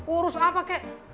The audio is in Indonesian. urus apa kek